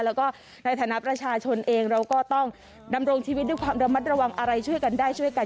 แล้วก็ในฐานะประชาชนเองเราก็ต้องดำรงชีวิตด้วยความระมัดระวังอะไรช่วยกันได้ช่วยกัน